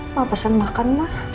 apa pesan makan ma